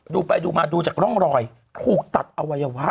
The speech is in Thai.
ดูไปดูมาดูจากร่องรอยถูกตัดอวัยวะ